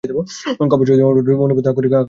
কাব্য সাহিত্যের অনুবাদ আক্ষরিক হতেই পারে না।